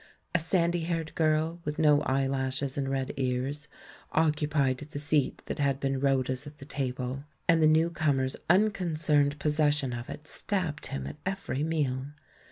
A sandy haired girl, with no eyelashes and red ears, occupied the seat that had been Rhoda's at the table, and the newcomer's unconcerned posses sion of it stabbed him at every meal.